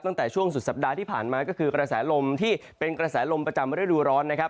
ตั้งแต่ช่วงสุดสัปดาห์ที่ผ่านมาก็คือกระแสลมที่เป็นกระแสลมประจำฤดูร้อนนะครับ